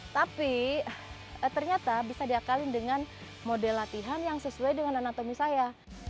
tapi ternyata bisa diakalin dengan model latihan yang sesuai dengan anatomi saya